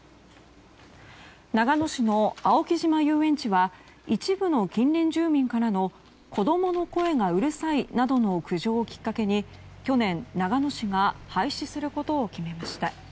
長野市の青木島遊園地は一部の近隣住民からの子供の声がうるさいなどの苦情をきっかけに去年、長野市が廃止することを決めました。